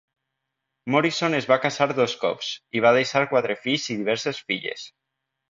Morison es va casar dos cops, i va deixar quatre fills i diverses filles.